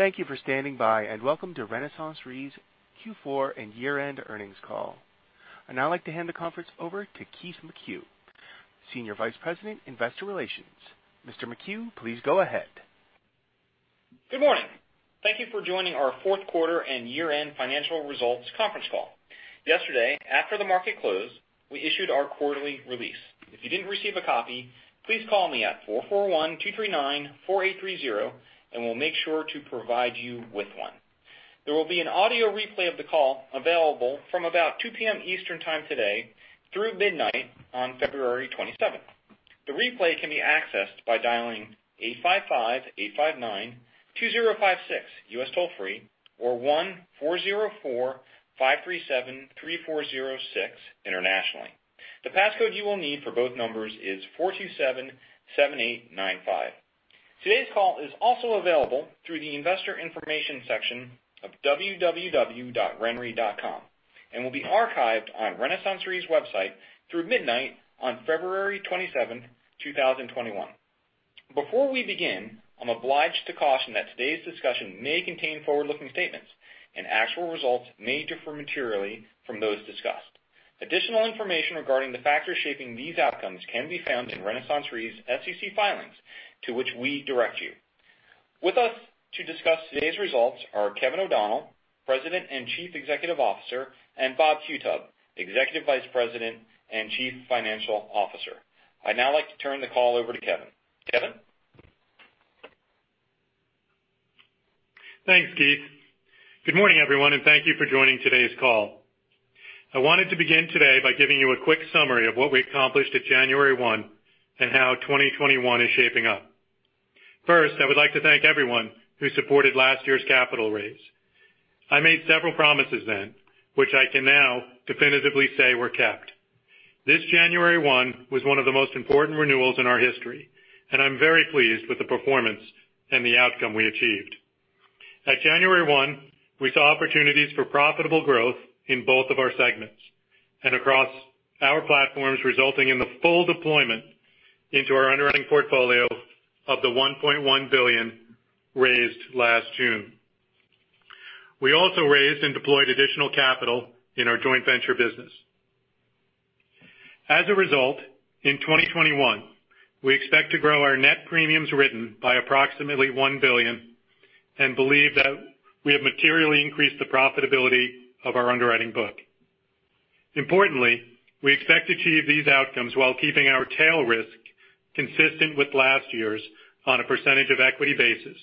Thank you for standing by, welcome to RenaissanceRe's Q4 and year-end earnings call. I'd now like to hand the conference over to Keith McCue, Senior Vice President, Investor Relations. Mr. McCue, please go ahead. Good morning. Thank you for joining our fourth quarter and year-end financial results conference call. Yesterday, after the market closed, we issued our quarterly release. If you didn't receive a copy, please call me at 441-239-4830 and we'll make sure to provide you with one. There will be an audio replay of the call available from about 2:00 P.M. Eastern Time today through midnight on February 27th. The replay can be accessed by dialing 855-859-2056 U.S. toll-free or 1-404-537-3406 internationally. The passcode you will need for both numbers is 4277895. Today's call is also available through the investor information section of www.renre.com and will be archived on RenaissanceRe's website through midnight on February 27th, 2021. Before we begin, I'm obliged to caution that today's discussion may contain forward-looking statements and actual results may differ materially from those discussed. Additional information regarding the factors shaping these outcomes can be found in RenaissanceRe's SEC filings to which we direct you. With us to discuss today's results are Kevin O'Donnell, President and Chief Executive Officer, and Bob Qutub, Executive Vice President and Chief Financial Officer. I'd now like to turn the call over to Kevin. Kevin? Thanks, Keith. Good morning, everyone, and thank you for joining today's call. I wanted to begin today by giving you a quick summary of what we accomplished at January 1 and how 2021 is shaping up. First, I would like to thank everyone who supported last year's capital raise. I made several promises then, which I can now definitively say were kept. This January 1 was one of the most important renewals in our history, and I'm very pleased with the performance and the outcome we achieved. At January 1, we saw opportunities for profitable growth in both of our segments and across our platforms, resulting in the full deployment into our underwriting portfolio of the $1.1 billion raised last June. We also raised and deployed additional capital in our joint venture business. As a result, in 2021, we expect to grow our net premiums written by approximately $1 billion and believe that we have materially increased the profitability of our underwriting book. Importantly, we expect to achieve these outcomes while keeping our tail risk consistent with last year's on a percentage of equity basis,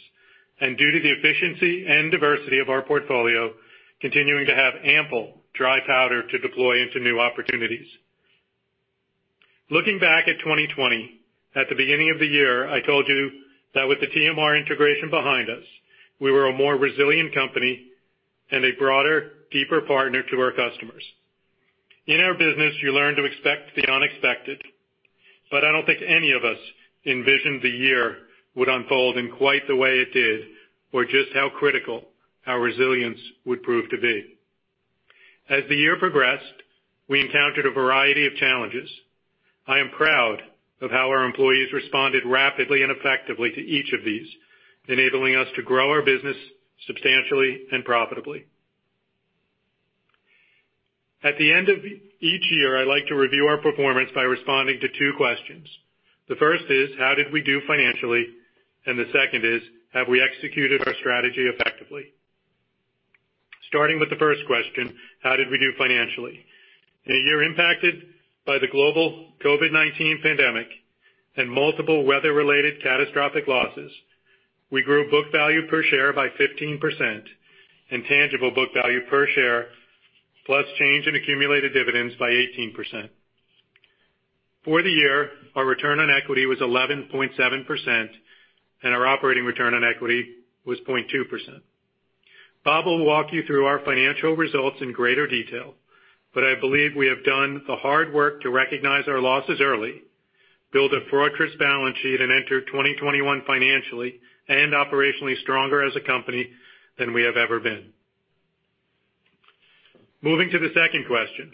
and due to the efficiency and diversity of our portfolio, continuing to have ample dry powder to deploy into new opportunities. Looking back at 2020, at the beginning of the year, I told you that with the TMR integration behind us, we were a more resilient company and a broader, deeper partner to our customers. In our business, you learn to expect the unexpected, but I don't think any of us envisioned the year would unfold in quite the way it did or just how critical our resilience would prove to be. As the year progressed, we encountered a variety of challenges. I am proud of how our employees responded rapidly and effectively to each of these, enabling us to grow our business substantially and profitably. At the end of each year, I like to review our performance by responding to two questions. The first is how did we do financially, and the second is have we executed our strategy effectively. Starting with the first question, how did we do financially? In a year impacted by the global COVID-19 pandemic and multiple weather-related catastrophic losses, we grew book value per share by 15% and tangible book value per share plus change in accumulated dividends by 18%. For the year, our return on equity was 11.7% and our operating return on equity was 0.2%. Bob will walk you through our financial results in greater detail, but I believe we have done the hard work to recognize our losses early, build a fortress balance sheet and enter 2021 financially and operationally stronger as a company than we have ever been. Moving to the second question,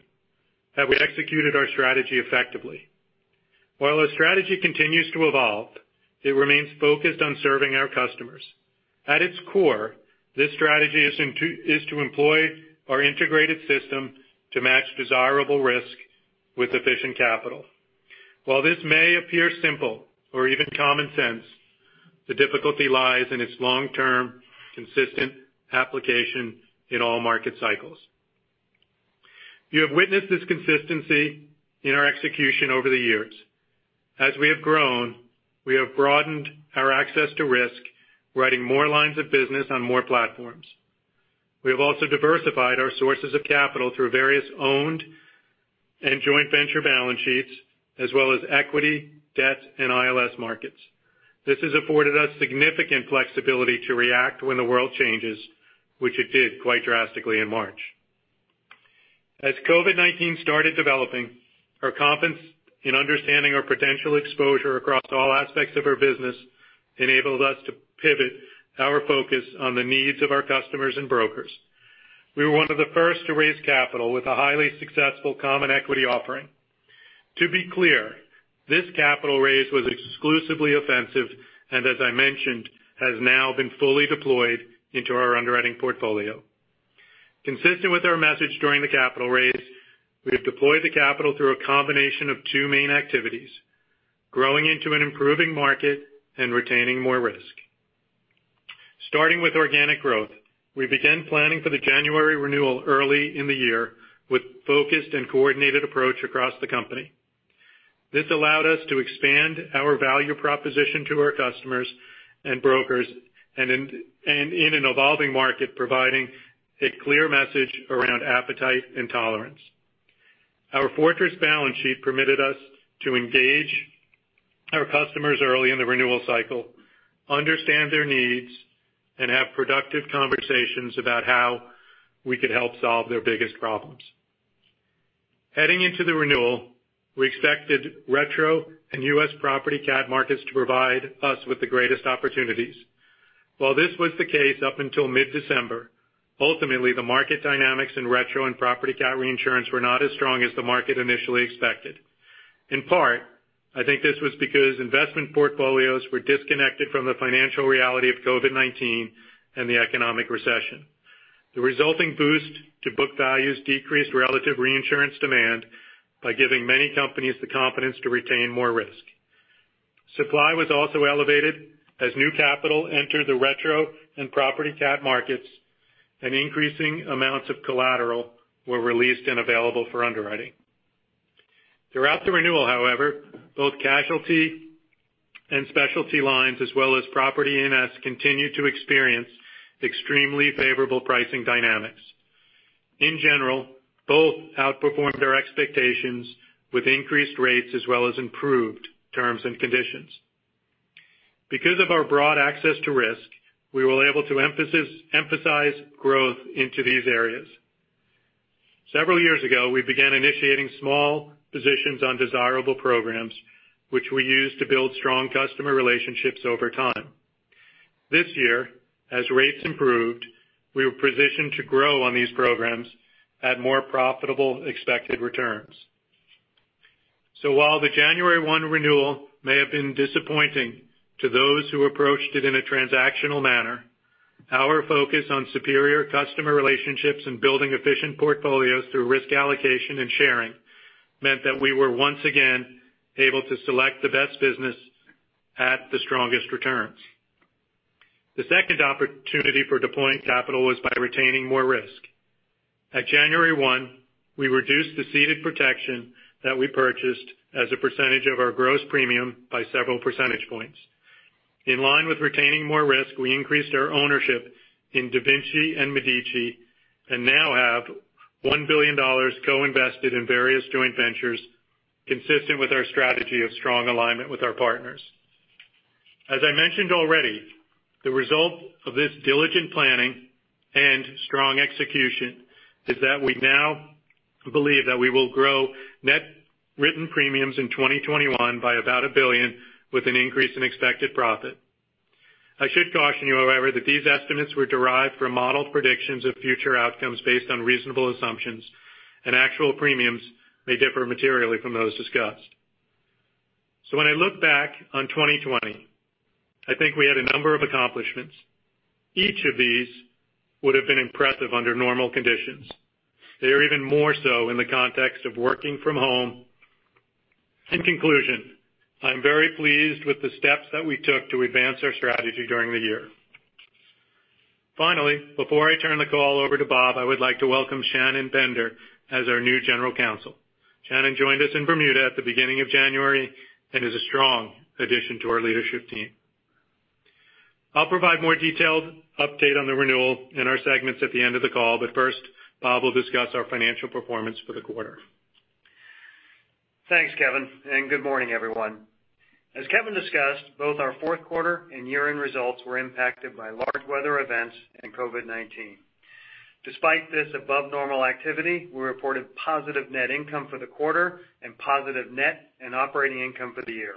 have we executed our strategy effectively? While our strategy continues to evolve, it remains focused on serving our customers. At its core, this strategy is to employ our integrated system to match desirable risk with efficient capital. While this may appear simple or even common sense, the difficulty lies in its long-term consistent application in all market cycles. You have witnessed this consistency in our execution over the years. As we have grown, we have broadened our access to risk, writing more lines of business on more platforms. We have also diversified our sources of capital through various owned and joint venture balance sheets as well as equity, debt, and ILS markets. This has afforded us significant flexibility to react when the world changes, which it did quite drastically in March. As COVID-19 started developing, our confidence in understanding our potential exposure across all aspects of our business enabled us to pivot our focus on the needs of our customers and brokers. We were one of the first to raise capital with a highly successful common equity offering. To be clear, this capital raise was exclusively offensive, and as I mentioned, has now been fully deployed into our underwriting portfolio. Consistent with our message during the capital raise, we have deployed the capital through a combination of two main activities: growing into an improving market and retaining more risk. Starting with organic growth, we began planning for the January renewal early in the year with focused and coordinated approach across the company. This allowed us to expand our value proposition to our customers and brokers, and in an evolving market, providing a clear message around appetite and tolerance. Our fortress balance sheet permitted us to engage our customers early in the renewal cycle, understand their needs, and have productive conversations about how we could help solve their biggest problems. Heading into the renewal, we expected retro and U.S. property cat markets to provide us with the greatest opportunities. While this was the case up until mid-December, ultimately, the market dynamics in retro and property cat reinsurance were not as strong as the market initially expected. In part, I think this was because investment portfolios were disconnected from the financial reality of COVID-19 and the economic recession. The resulting boost to book values decreased relative reinsurance demand by giving many companies the confidence to retain more risk. Supply was also elevated as new capital entered the retro and property cat markets, and increasing amounts of collateral were released and available for underwriting. Throughout the renewal, however, both casualty and specialty lines as well as property E&S continued to experience extremely favorable pricing dynamics. In general, both outperformed our expectations with increased rates as well as improved terms and conditions. Because of our broad access to risk, we were able to emphasize growth into these areas. Several years ago, we began initiating small positions on desirable programs, which we used to build strong customer relationships over time. This year, as rates improved, we were positioned to grow on these programs at more profitable expected returns. While the January 1 renewal may have been disappointing to those who approached it in a transactional manner, our focus on superior customer relationships and building efficient portfolios through risk allocation and sharing meant that we were once again able to select the best business at the strongest returns. The second opportunity for deploying capital was by retaining more risk. At January 1, we reduced the ceded protection that we purchased as a percentage of our gross premium by several percentage points. In line with retaining more risk, we increased our ownership in DaVinci and Medici, and now have $1 billion co-invested in various joint ventures consistent with our strategy of strong alignment with our partners. As I mentioned already, the result of this diligent planning and strong execution is that we now believe that we will grow net written premiums in 2021 by about $1 billion with an increase in expected profit. I should caution you, however, that these estimates were derived from modeled predictions of future outcomes based on reasonable assumptions, and actual premiums may differ materially from those discussed. When I look back on 2020, I think we had a number of accomplishments. Each of these would have been impressive under normal conditions. They are even more so in the context of working from home. In conclusion, I'm very pleased with the steps that we took to advance our strategy during the year. Finally, before I turn the call over to Bob, I would like to welcome Shannon Bender as our new General Counsel. Shannon joined us in Bermuda at the beginning of January and is a strong addition to our leadership team. I'll provide more detailed update on the renewal in our segments at the end of the call. First, Bob will discuss our financial performance for the quarter. Thanks, Kevin, good morning, everyone. As Kevin discussed, both our fourth quarter and year-end results were impacted by large weather events and COVID-19. Despite this above normal activity, we reported positive net income for the quarter and positive net and operating income for the year.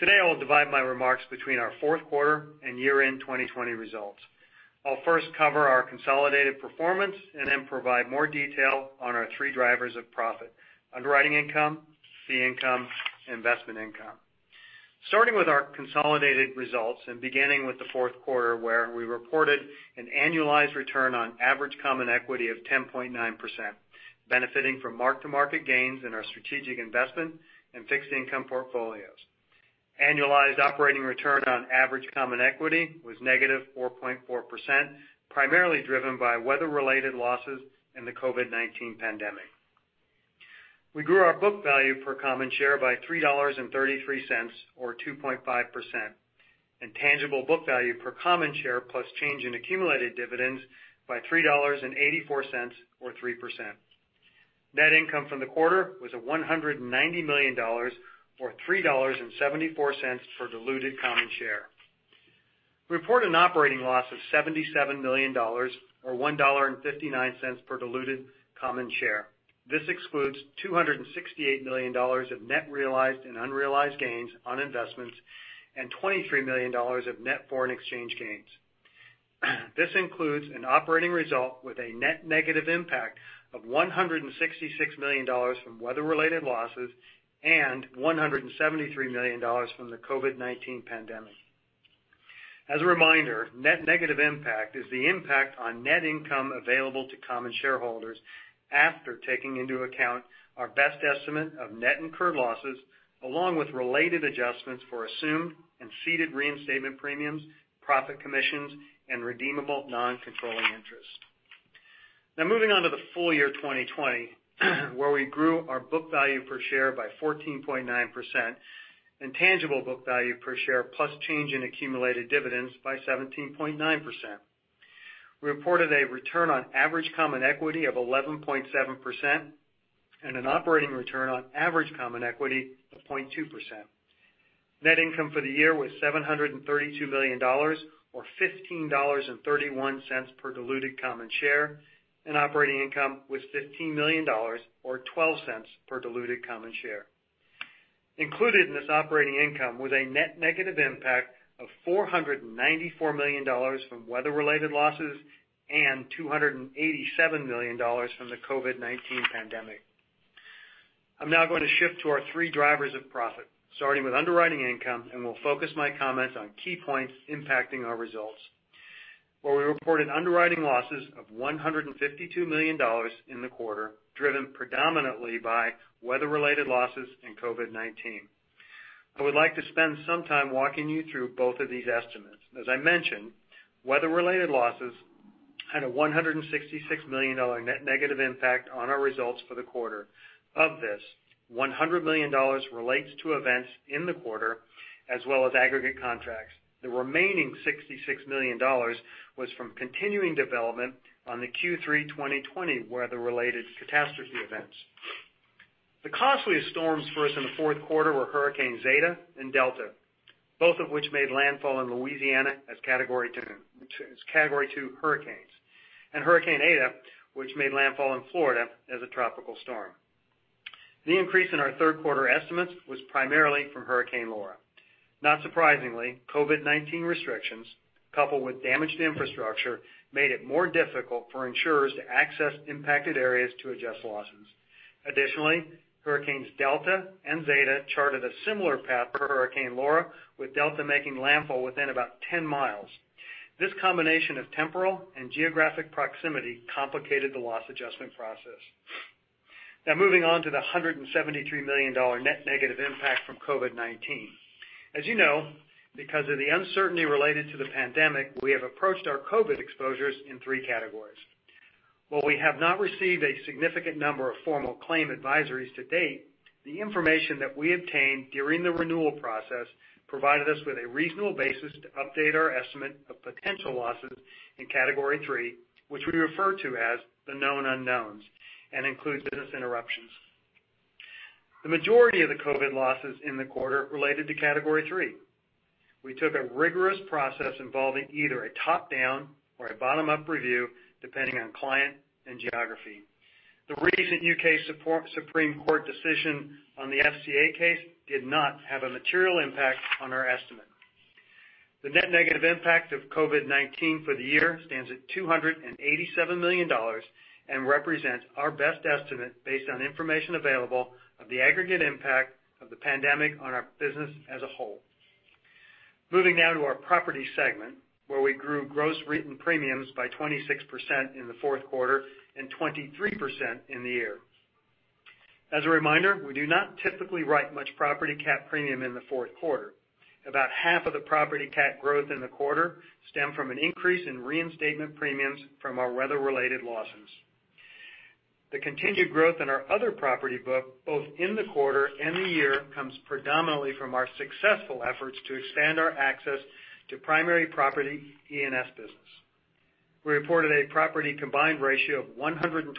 Today, I will divide my remarks between our fourth quarter and year-end 2020 results. I'll first cover our consolidated performance and then provide more detail on our three drivers of profit, underwriting income, fee income, investment income. Starting with our consolidated results and beginning with the fourth quarter where we reported an annualized return on average common equity of 10.9%, benefiting from mark-to-market gains in our strategic investment and fixed income portfolios. Annualized operating return on average common equity was negative 4.4%, primarily driven by weather-related losses and the COVID-19 pandemic. We grew our book value per common share by $3.33, or 2.5%, and tangible book value per common share plus change in accumulated dividends by $3.84, or 3%. Net income from the quarter was at $190 million, or $3.74 per diluted common share. We report an operating loss of $77 million, or $1.59 per diluted common share. This excludes $268 million of net realized and unrealized gains on investments and $23 million of net foreign exchange gains. This includes an operating result with a net negative impact of $166 million from weather-related losses and $173 million from the COVID-19 pandemic. As a reminder, net negative impact is the impact on net income available to common shareholders after taking into account our best estimate of net incurred losses, along with related adjustments for assumed and ceded reinstatement premiums, profit commissions, and redeemable non-controlling interest. Now moving on to the full year 2020, where we grew our book value per share by 14.9% and tangible book value per share plus change in accumulated dividends by 17.9%. We reported a return on average common equity of 11.7% and an operating return on average common equity of 0.2%. Net income for the year was $732 million, or $15.31 per diluted common share, and operating income was $15 million or $0.12 per diluted common share. Included in this operating income was a net negative impact of $494 million from weather-related losses and $287 million from the COVID-19 pandemic. I'm now going to shift to our three drivers of profit, starting with underwriting income, and will focus my comments on key points impacting our results, where we reported underwriting losses of $152 million in the quarter, driven predominantly by weather-related losses and COVID-19. I would like to spend some time walking you through both of these estimates. As I mentioned, weather-related losses had a $166 million net negative impact on our results for the quarter. Of this, $100 million relates to events in the quarter as well as aggregate contracts. The remaining $66 million was from continuing development on the Q3 2020 weather-related catastrophe events. The costliest storms for us in the fourth quarter were Hurricanes Zeta and Delta, both of which made landfall in Louisiana as category 2 hurricanes, and Hurricane Eta, which made landfall in Florida as a tropical storm. The increase in our third quarter estimates was primarily from Hurricane Laura. Not surprisingly, COVID-19 restrictions, coupled with damaged infrastructure, made it more difficult for insurers to access impacted areas to adjust losses. Additionally, hurricanes Delta and Zeta charted a similar path to Hurricane Laura, with Delta making landfall within about 10 miles. This combination of temporal and geographic proximity complicated the loss adjustment process. Now moving on to the $173 million net negative impact from COVID-19. As you know, because of the uncertainty related to the pandemic, we have approached our COVID exposures in three categories. While we have not received a significant number of formal claim advisories to date, the information that we obtained during the renewal process provided us with a reasonable basis to update our estimate of potential losses in category 3, which we refer to as the known unknowns, and includes business interruptions. The majority of the COVID losses in the quarter related to category 3. We took a rigorous process involving either a top-down or a bottom-up review, depending on client and geography. The recent U.K. Supreme Court decision on the FCA case did not have a material impact on our estimate. The net negative impact of COVID-19 for the year stands at $287 million and represents our best estimate based on information available of the aggregate impact of the pandemic on our business as a whole. Moving now to our property segment, where we grew gross written premiums by 26% in the fourth quarter and 23% in the year. As a reminder, we do not typically write much property cat premium in the fourth quarter. About half of the property cat growth in the quarter stemmed from an increase in reinstatement premiums from our weather-related losses. The continued growth in our other property book, both in the quarter and the year, comes predominantly from our successful efforts to expand our access to primary property E&S business. We reported a property combined ratio of 126%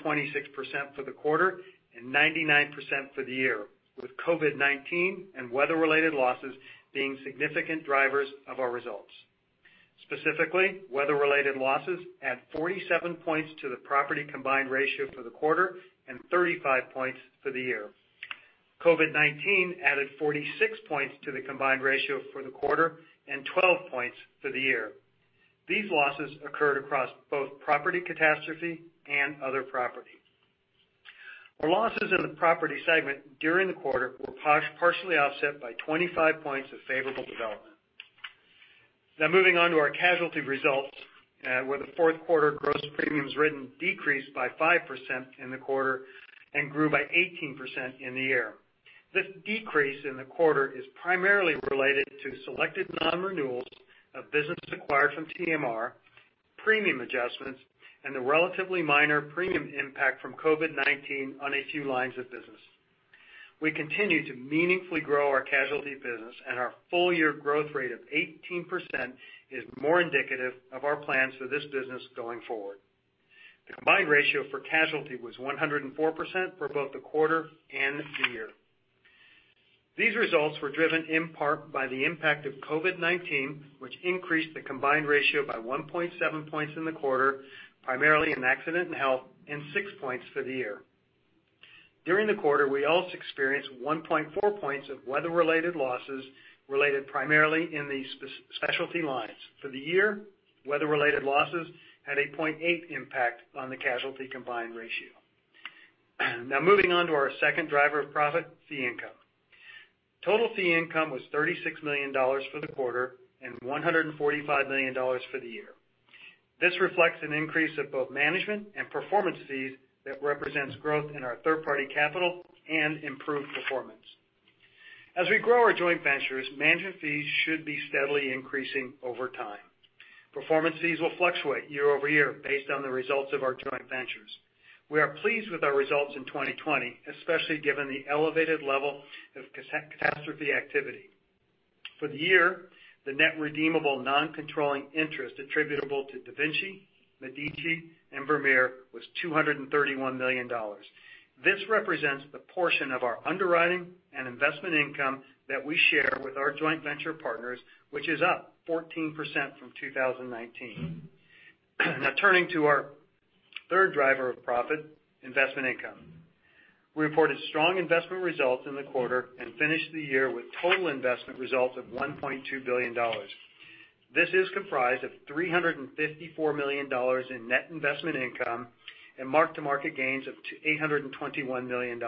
for the quarter and 99% for the year, with COVID-19 and weather-related losses being significant drivers of our results. Specifically, weather-related losses add 47 points to the property combined ratio for the quarter and 35 points for the year. COVID-19 added 46 points to the combined ratio for the quarter and 12 points for the year. These losses occurred across both property catastrophe and other property. Our losses in the property segment during the quarter were partially offset by 25 points of favorable development. Now moving on to our casualty results, where the fourth quarter gross premiums written decreased by 5% in the quarter and grew by 18% in the year. This decrease in the quarter is primarily related to selected non-renewals of business acquired from TMR, premium adjustments, and the relatively minor premium impact from COVID-19 on a few lines of business. We continue to meaningfully grow our casualty business, and our full-year growth rate of 18% is more indicative of our plans for this business going forward. The combined ratio for casualty was 104% for both the quarter and the year. These results were driven in part by the impact of COVID-19, which increased the combined ratio by 1.7 points in the quarter, primarily in accident and health, and 6 points for the year. During the quarter, we also experienced 1.4 points of weather-related losses related primarily in the specialty lines. For the year, weather-related losses had a 0.8 impact on the casualty combined ratio. Moving on to our second driver of profit, fee income. Total fee income was $36 million for the quarter and $145 million for the year. This reflects an increase of both management and performance fees that represents growth in our third-party capital and improved performance. As we grow our joint ventures, management fees should be steadily increasing over time. Performance fees will fluctuate year-over-year based on the results of our joint ventures. We are pleased with our results in 2020, especially given the elevated level of catastrophe activity. For the year, the net redeemable non-controlling interest attributable to DaVinci, Medici, and Vermeer was $231 million. This represents the portion of our underwriting and investment income that we share with our joint venture partners, which is up 14% from 2019. Turning to our third driver of profit, investment income. We reported strong investment results in the quarter and finished the year with total investment results of $1.2 billion. This is comprised of $354 million in net investment income and mark-to-market gains of $821 million.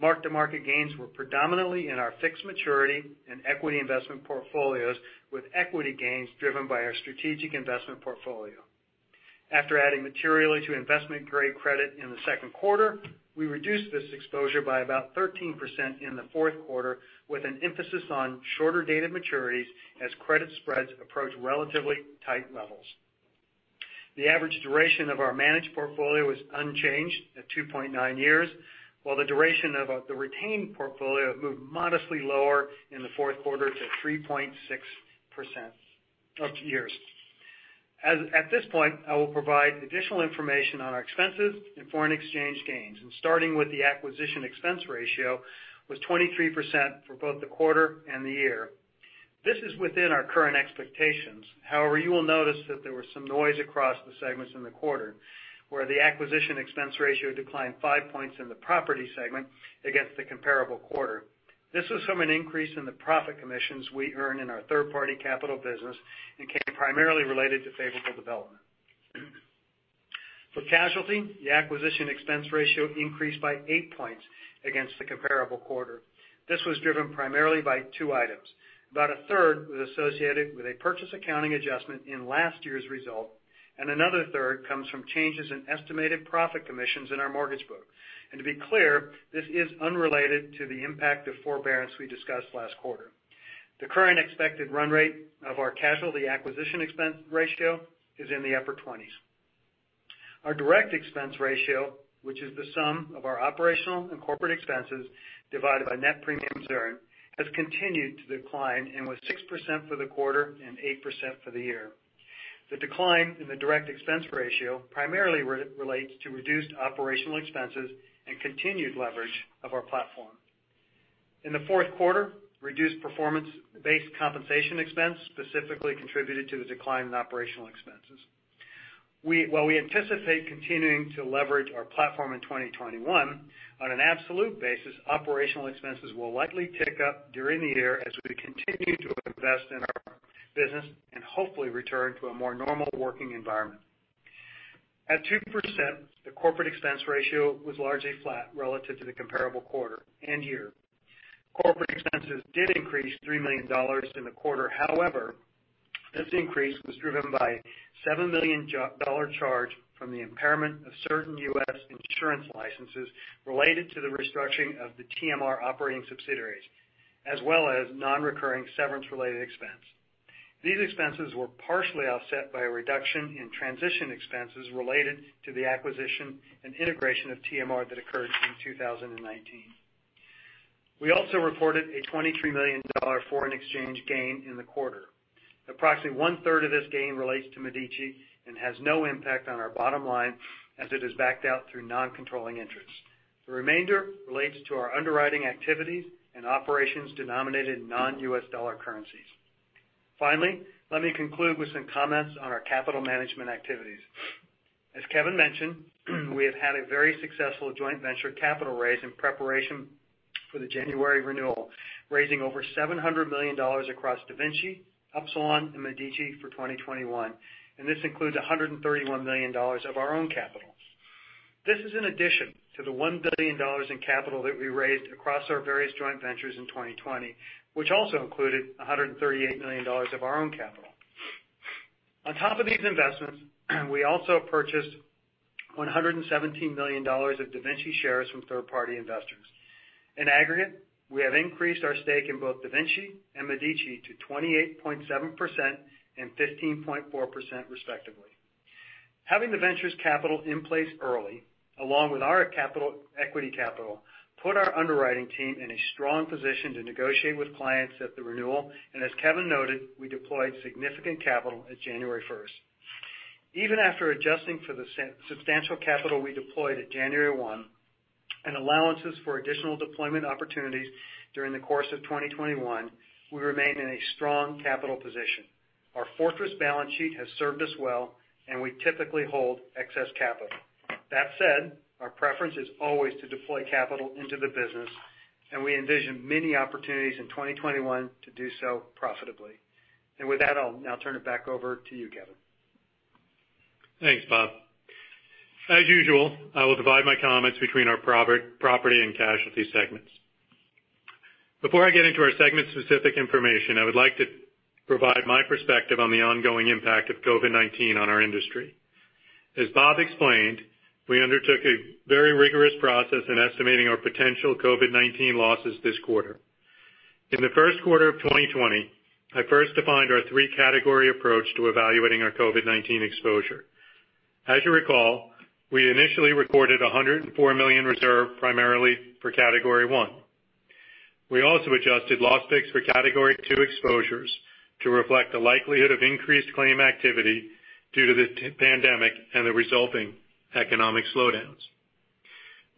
Mark-to-market gains were predominantly in our fixed maturity and equity investment portfolios, with equity gains driven by our strategic investment portfolio. After adding materially to investment-grade credit in the second quarter, we reduced this exposure by about 13% in the fourth quarter, with an emphasis on shorter dated maturities as credit spreads approached relatively tight levels. The average duration of our managed portfolio was unchanged at 2.9 years, while the duration of the retained portfolio moved modestly lower in the fourth quarter to 3.6% of years. At this point, I will provide additional information on our expenses and foreign exchange gains. Starting with the acquisition expense ratio was 23% for both the quarter and the year. This is within our current expectations. However, you will notice that there was some noise across the segments in the quarter, where the acquisition expense ratio declined 5 points in the property segment against the comparable quarter. This was from an increase in the profit commissions we earn in our third-party capital business and came primarily related to favorable development. For casualty, the acquisition expense ratio increased by 8 points against the comparable quarter. This was driven primarily by two items. About a third was associated with a purchase accounting adjustment in last year's result, and another third comes from changes in estimated profit commissions in our mortgage book. To be clear, this is unrelated to the impact of forbearance we discussed last quarter. The current expected run rate of our casualty acquisition expense ratio is in the upper 20s. Our direct expense ratio, which is the sum of our operational and corporate expenses divided by net premiums earned, has continued to decline and was 6% for the quarter and 8% for the year. The decline in the direct expense ratio primarily relates to reduced operational expenses and continued leverage of our platform. In the fourth quarter, reduced performance-based compensation expense specifically contributed to the decline in operational expenses. While we anticipate continuing to leverage our platform in 2021, on an absolute basis, operational expenses will likely tick up during the year as we continue to invest in our business and hopefully return to a more normal working environment. At 2%, the corporate expense ratio was largely flat relative to the comparable quarter and year. Corporate expenses did increase $3 million in the quarter. However, this increase was driven by a $7 million charge from the impairment of certain U.S. insurance licenses related to the restructuring of the TMR operating subsidiaries, as well as non-recurring severance-related expense. These expenses were partially offset by a reduction in transition expenses related to the acquisition and integration of TMR that occurred in 2019. We also reported a $23 million foreign exchange gain in the quarter. Approximately one-third of this gain relates to Medici and has no impact on our bottom line as it is backed out through non-controlling interests. The remainder relates to our underwriting activities and operations denominated in non-U.S. dollar currencies. Finally, let me conclude with some comments on our capital management activities. As Kevin mentioned, we have had a very successful joint venture capital raise in preparation for the January renewal, raising over $700 million across DaVinci, Upsilon, and Medici for 2021, and this includes $131 million of our own capital. This is in addition to the $1 billion in capital that we raised across our various joint ventures in 2020, which also included $138 million of our own capital. On top of these investments, we also purchased $117 million of DaVinci shares from third-party investors. In aggregate, we have increased our stake in both DaVinci and Medici to 28.7% and 15.4%, respectively. Having the ventures' capital in place early, along with our equity capital, put our underwriting team in a strong position to negotiate with clients at the renewal, and as Kevin noted, we deployed significant capital at January 1st. Even after adjusting for the substantial capital we deployed at January 1, and allowances for additional deployment opportunities during the course of 2021, we remain in a strong capital position. Our fortress balance sheet has served us well, and we typically hold excess capital. That said, our preference is always to deploy capital into the business, and we envision many opportunities in 2021 to do so profitably. With that, I'll now turn it back over to you, Kevin. Thanks, Bob. As usual, I will divide my comments between our property and casualty segments. Before I get into our segment-specific information, I would like to provide my perspective on the ongoing impact of COVID-19 on our industry. As Bob explained, we undertook a very rigorous process in estimating our potential COVID-19 losses this quarter. In the first quarter of 2020, I first defined our three-category approach to evaluating our COVID-19 exposure. As you recall, we initially recorded $104 million reserve primarily for category 1. We also adjusted loss picks for category 2 exposures to reflect the likelihood of increased claim activity due to the pandemic and the resulting economic slowdowns.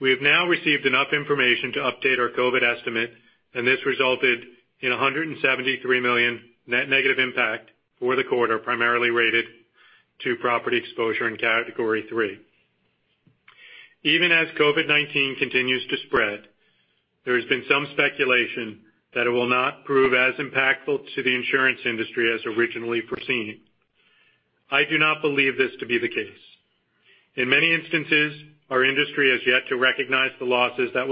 We have now received enough information to update our COVID estimate, and this resulted in $173 million net negative impact for the quarter, primarily related to property exposure in category 3. Even as COVID-19 continues to spread, there has been some speculation that it will not prove as impactful to the insurance industry as originally foreseen. I do not believe this to be the case. In many instances, our industry has yet to recognize the losses that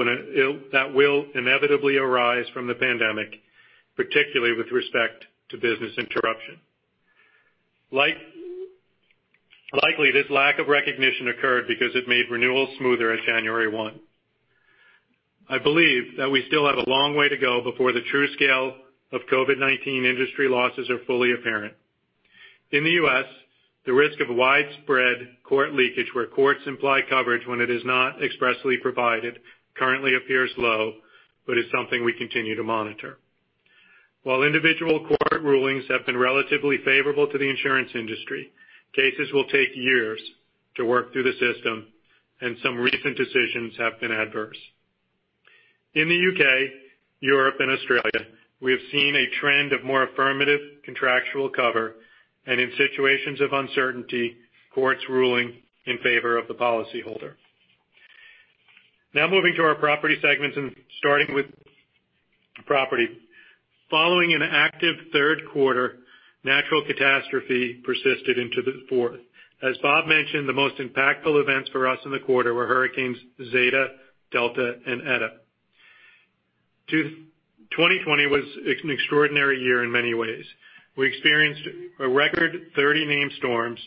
will inevitably arise from the pandemic, particularly with respect to business interruption. Likely, this lack of recognition occurred because it made renewals smoother at January 1. I believe that we still have a long way to go before the true scale of COVID-19 industry losses are fully apparent. In the U.S., the risk of widespread court leakage where courts imply coverage when it is not expressly provided currently appears low, but is something we continue to monitor. While individual court rulings have been relatively favorable to the insurance industry, cases will take years to work through the system, and some recent decisions have been adverse. In the U.K., Europe, and Australia, we have seen a trend of more affirmative contractual cover, and in situations of uncertainty, courts ruling in favor of the policyholder. Moving to our property segments and starting with property. Following an active third quarter, natural catastrophe persisted into the fourth. As Bob mentioned, the most impactful events for us in the quarter were hurricanes Zeta, Delta, and Eta. 2020 was an extraordinary year in many ways. We experienced a record 30 named storms,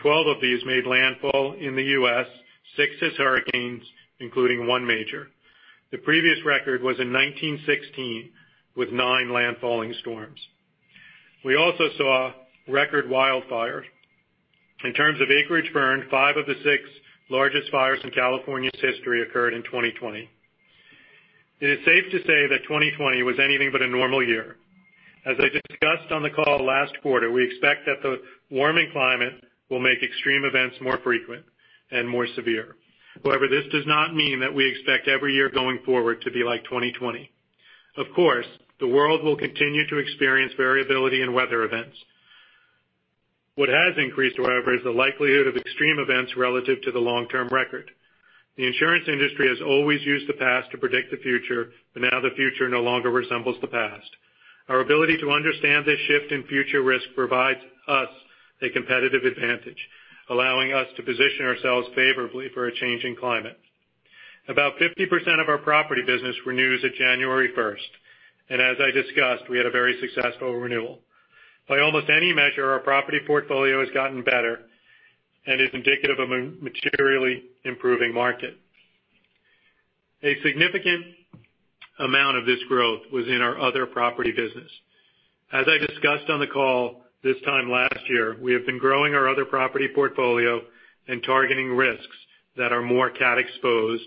12 of these made landfall in the U.S., six as hurricanes, including one major. The previous record was in 1916 with nine landfalling storms. We also saw record wildfires. In terms of acreage burned, five of the six largest fires in California's history occurred in 2020. It is safe to say that 2020 was anything but a normal year. As I discussed on the call last quarter, we expect that the warming climate will make extreme events more frequent and more severe. However, this does not mean that we expect every year going forward to be like 2020. Of course, the world will continue to experience variability in weather events. What has increased, however, is the likelihood of extreme events relative to the long-term record. The insurance industry has always used the past to predict the future, but now the future no longer resembles the past. Our ability to understand this shift in future risk provides us a competitive advantage, allowing us to position ourselves favorably for a changing climate. About 50% of our property business renews at January 1st, and as I discussed, we had a very successful renewal. By almost any measure, our property portfolio has gotten better and is indicative of a materially improving market. A significant amount of this growth was in our other property business. As I discussed on the call this time last year, we have been growing our other property portfolio and targeting risks that are more CAT-exposed,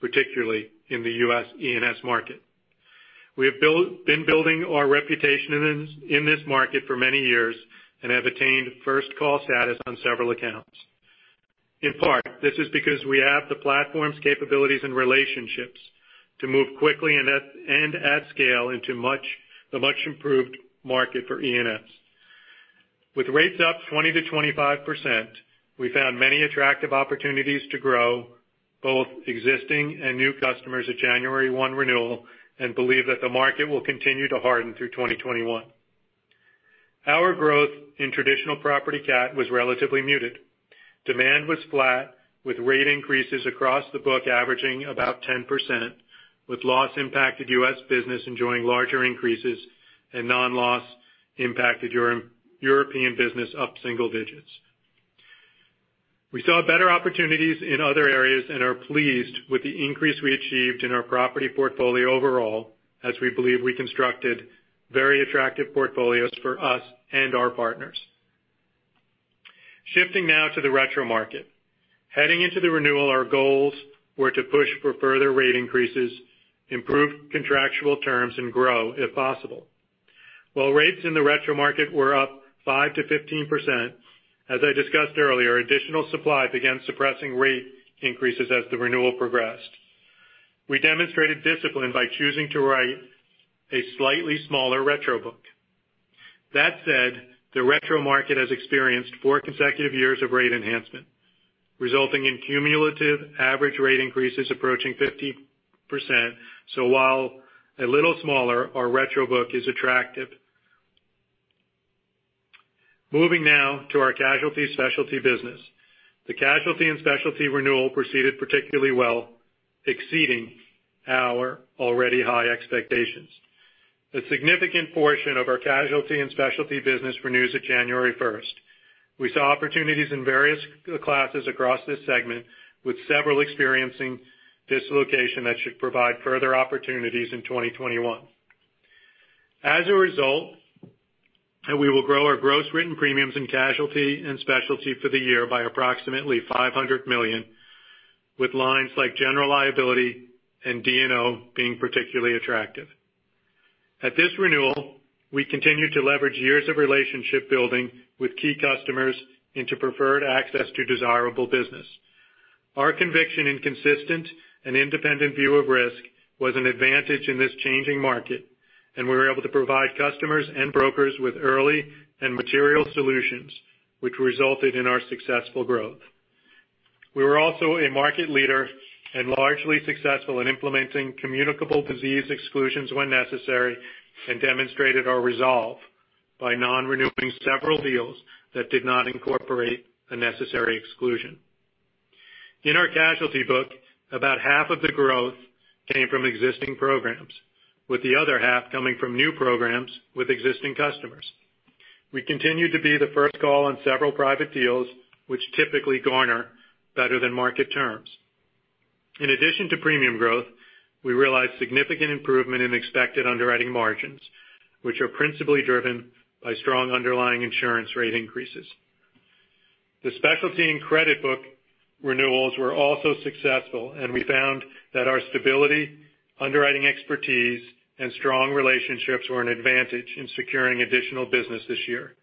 particularly in the U.S. E&S market. We have been building our reputation in this market for many years and have attained first-call status on several accounts. In part, this is because we have the platforms, capabilities, and relationships to move quickly and at scale into the much-improved market for E&S. With rates up 20%-25%, we found many attractive opportunities to grow both existing and new customers at January 1 renewal and believe that the market will continue to harden through 2021. Our growth in traditional property cat was relatively muted. Demand was flat with rate increases across the book averaging about 10%, with loss-impacted U.S. business enjoying larger increases and non-loss impacted European business up single digits. We saw better opportunities in other areas and are pleased with the increase we achieved in our property portfolio overall, as we believe we constructed very attractive portfolios for us and our partners. Shifting now to the retro market. Heading into the renewal, our goals were to push for further rate increases, improve contractual terms, and grow if possible. While rates in the retro market were up 5%-15%, as I discussed earlier, additional supply began suppressing rate increases as the renewal progressed. We demonstrated discipline by choosing to write a slightly smaller retro book. That said, the retro market has experienced four consecutive years of rate enhancement, resulting in cumulative average rate increases approaching 50%. While a little smaller, our retro book is attractive. Moving now to our casualty specialty business. The casualty and specialty renewal proceeded particularly well, exceeding our already high expectations. A significant portion of our casualty and specialty business renews at January 1st. We saw opportunities in various classes across this segment, with several experiencing dislocation that should provide further opportunities in 2021. As a result, we will grow our gross written premiums in casualty and specialty for the year by approximately $500 million, with lines like general liability and D&O being particularly attractive. At this renewal, we continued to leverage years of relationship building with key customers into preferred access to desirable business. Our conviction in consistent and independent view of risk was an advantage in this changing market, and we were able to provide customers and brokers with early and material solutions, which resulted in our successful growth. We were also a market leader and largely successful in implementing communicable disease exclusions when necessary and demonstrated our resolve by non-renewing several deals that did not incorporate a necessary exclusion. In our casualty book, about half of the growth came from existing programs, with the other half coming from new programs with existing customers. We continued to be the first call on several private deals, which typically garner better than market terms. In addition to premium growth, we realized significant improvement in expected underwriting margins, which are principally driven by strong underlying insurance rate increases. The specialty and credit book renewals were also successful, and we found that our stability, underwriting expertise, and strong relationships were an advantage in securing additional business this year.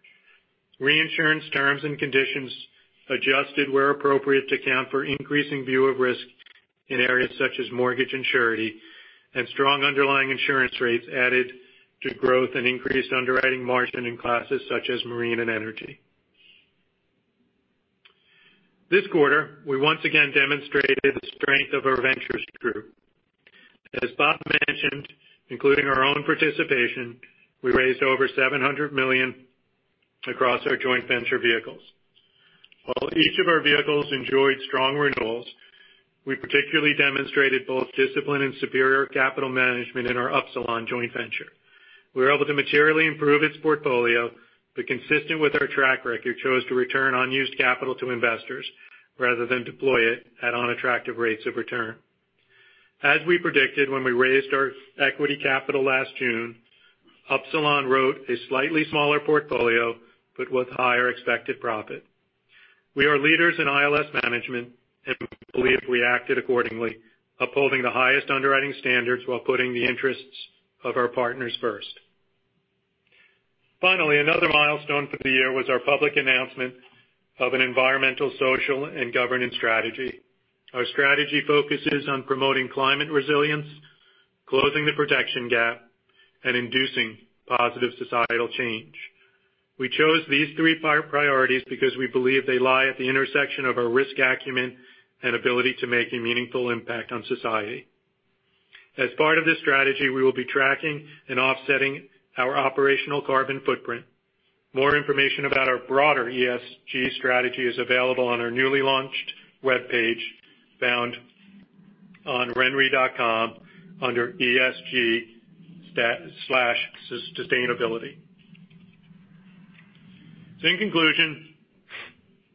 Reinsurance terms and conditions adjusted where appropriate to account for increasing view of risk in areas such as mortgage and surety, and strong underlying insurance rates added to growth and increased underwriting margin in classes such as marine and energy. This quarter, we once again demonstrated the strength of our ventures group. As Bob mentioned, including our own participation, we raised over $700 million across our joint venture vehicles. While each of our vehicles enjoyed strong renewals, we particularly demonstrated both discipline and superior capital management in our Upsilon joint venture. We were able to materially improve its portfolio, but consistent with our track record, chose to return unused capital to investors rather than deploy it at unattractive rates of return. As we predicted when we raised our equity capital last June, Upsilon wrote a slightly smaller portfolio, but with higher expected profit. We are leaders in ILS management and believe we acted accordingly, upholding the highest underwriting standards while putting the interests of our partners first. Finally, another milestone for the year was our public announcement of an environmental, social, and governance strategy. Our strategy focuses on promoting climate resilience, closing the protection gap, and inducing positive societal change. We chose these three priorities because we believe they lie at the intersection of our risk acumen and ability to make a meaningful impact on society. As part of this strategy, we will be tracking and offsetting our operational carbon footprint. More information about our broader ESG strategy is available on our newly launched webpage found on renre.com under ESG/Sustainability. In conclusion,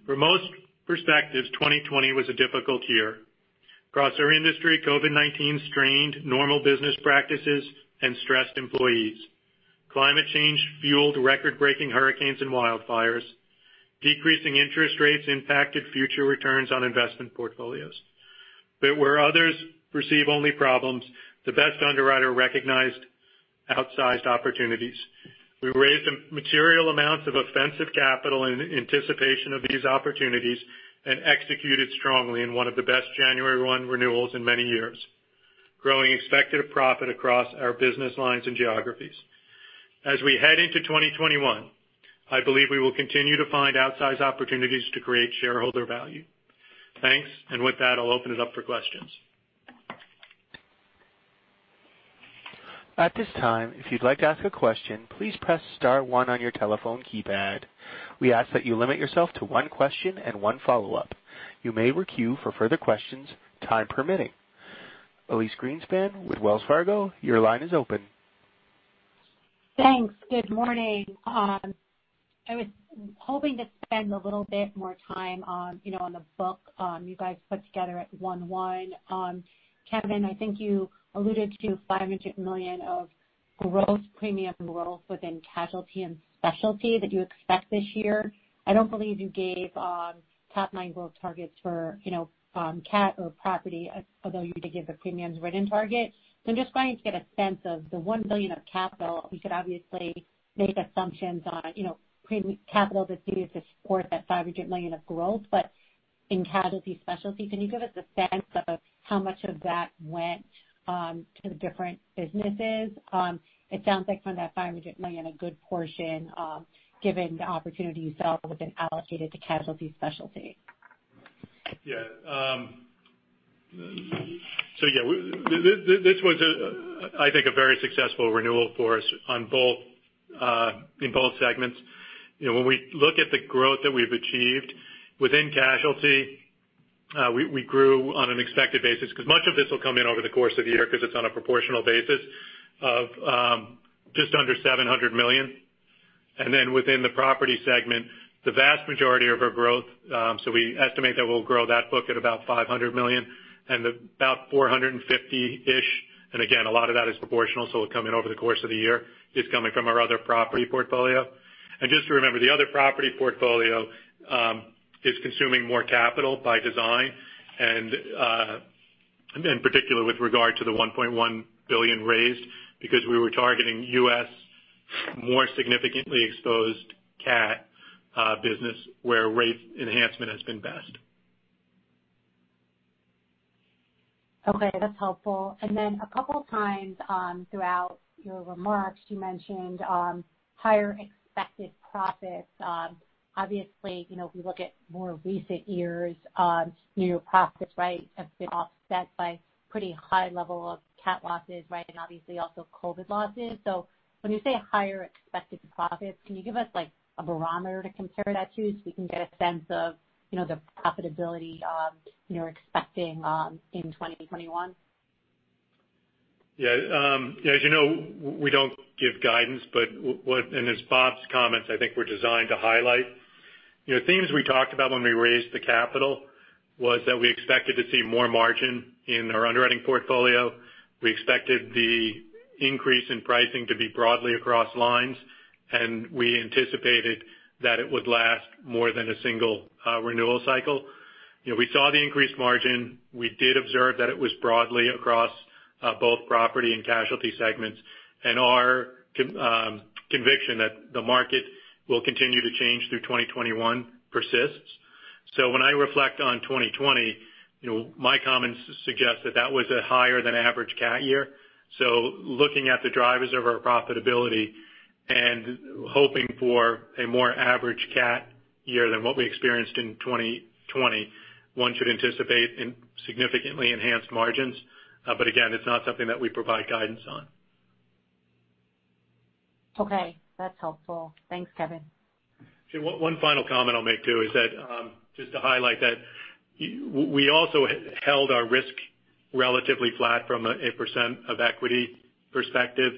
for most perspectives, 2020 was a difficult year. Across our industry, COVID-19 strained normal business practices and stressed employees. Climate change fueled record-breaking hurricanes and wildfires. Decreasing interest rates impacted future returns on investment portfolios. Where others receive only problems, the best underwriter recognized outsized opportunities. We raised material amounts of offensive capital in anticipation of these opportunities and executed strongly in one of the best January 1 renewals in many years, growing expected profit across our business lines and geographies. As we head into 2021, I believe we will continue to find outsized opportunities to create shareholder value. Thanks. With that, I'll open it up for questions. At this time, if you'd like to ask a question, please press star one on your telephone keypad. We ask that you limit yourself to one question and one follow-up. You may queue for further questions, time permitting. Elyse Greenspan with Wells Fargo, your line is open. Thanks. Good morning. I was hoping to spend a little bit more time on the book you guys put together at one one. Kevin, I think you alluded to $500 million of gross premium growth within casualty and specialty that you expect this year. I don't believe you gave top-line growth targets for cat or property, although you did give the premiums written target. I'm just trying to get a sense of the $1 billion of capital. We could obviously make assumptions on capital that's needed to support that $500 million of growth. In casualty specialty, can you give us a sense of how much of that went to the different businesses? It sounds like from that $500 million, a good portion, given the opportunity you saw, has been allocated to casualty specialty. Yeah. This was, I think, a very successful renewal for us in both segments. When we look at the growth that we've achieved within casualty, we grew on an expected basis, because much of this will come in over the course of the year, because it's on a proportional basis of just under $700 million. Within the property segment, the vast majority of our growth, so we estimate that we'll grow that book at about $500 million and about $450-ish. Again, a lot of that is proportional, so it'll come in over the course of the year, is coming from our other property portfolio. Just to remember, the other property portfolio is consuming more capital by design, and in particular with regard to the $1.1 billion raised, because we were targeting U.S. more significantly exposed cat business where rate enhancement has been best. Okay, that's helpful. A couple times throughout your remarks, you mentioned higher expected profits. Obviously, if we look at more recent years, your profits have been offset by pretty high level of cat losses, and obviously also COVID losses. When you say higher expected profits, can you give us a barometer to compare that to so we can get a sense of the profitability you're expecting in 2021? Yeah. As you know, we don't give guidance, and as Bob's comments, I think, were designed to highlight. Themes we talked about when we raised the capital was that we expected to see more margin in our underwriting portfolio. We expected the increase in pricing to be broadly across lines, and we anticipated that it would last more than a single renewal cycle. We saw the increased margin. We did observe that it was broadly across both property and casualty segments, and our conviction that the market will continue to change through 2021 persists. When I reflect on 2020, my comments suggest that that was a higher than average cat year. Looking at the drivers of our profitability and hoping for a more average cat year than what we experienced in 2020, one should anticipate significantly enhanced margins. Again, it's not something that we provide guidance on. Okay. That's helpful. Thanks, Kevin. One final comment I'll make too is that just to highlight that we also held our risk relatively flat from a percent of equity perspective.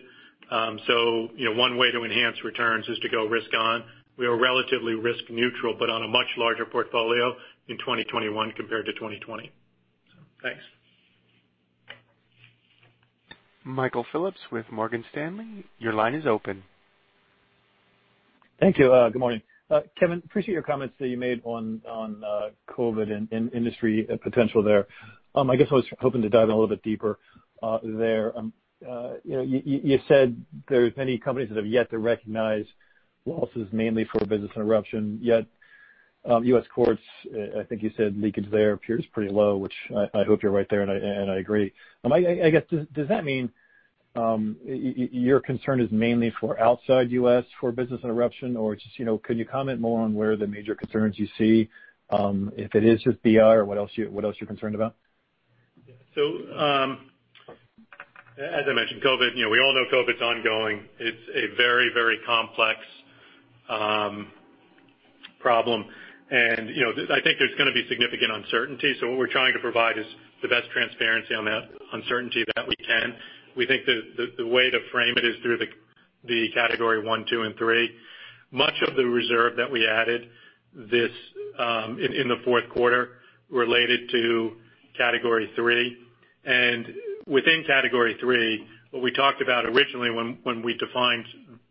One way to enhance returns is to go risk on. We are relatively risk neutral, but on a much larger portfolio in 2021 compared to 2020. Thanks. Michael Phillips with Morgan Stanley, your line is open. Thank you. Good morning. Kevin, appreciate your comments that you made on COVID and industry potential there. I guess I was hoping to dive a little bit deeper there. You said there are many companies that have yet to recognize losses mainly for business interruption, yet U.S. courts, I think you said leakage there appears pretty low, which I hope you're right there, and I agree. I guess, does that mean your concern is mainly for outside U.S. for business interruption, or could you comment more on where the major concerns you see, if it is just BI or what else you're concerned about? As I mentioned, we all know COVID's ongoing. It's a very, very complex problem. I think there's going to be significant uncertainty. What we're trying to provide is the best transparency on the uncertainty that we can. We think that the way to frame it is through the category 1, 2, and 3. Much of the reserve that we added in the fourth quarter related to category 3. Within category 3, what we talked about originally when we defined